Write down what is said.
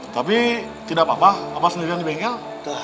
tapi tidak apa apa apa sendirian di bengkel